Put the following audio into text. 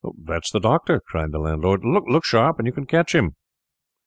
'That's the doctor,' cried the landlord. 'Look sharp, and you can catch him.